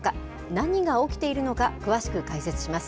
何が起きているのか、詳しく解説します。